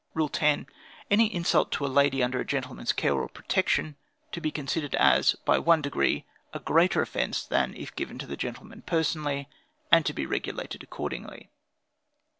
"Rule 10. Any insult to a lady under a gentleman's care or protection, to be considered as, by one degree, a greater offence than if given to the gentleman personally, and to be regulated accordingly.